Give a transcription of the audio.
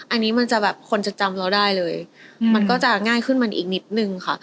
อันนี้มันจะแบบคนจะจำเราได้เลยมันก็จะง่ายขึ้นมันอีกนิดนึงค่ะ